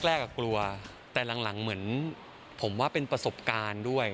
แรกกลัวแต่หลังเหมือนผมว่าเป็นประสบการณ์ด้วย